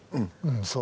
そう。